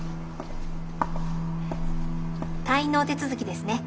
退院のお手続きですね。